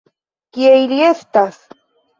Kie ili estas?